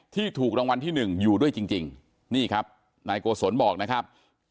ถูกรางวัลที่หนึ่งอยู่ด้วยจริงนี่ครับนายโกศลบอกนะครับ